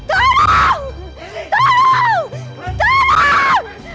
ayo kita berjalan